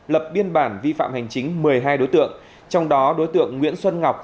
lập biên bản vi phạm hành chính một mươi hai đối tượng trong đó đối tượng nguyễn xuân ngọc